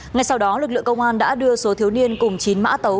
ngay sau đó lực lượng công an đã đưa số thiếu niên cùng chín mã tấu